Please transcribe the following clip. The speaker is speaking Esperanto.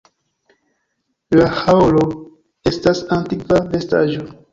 La haoro estas antikva vestaĵo.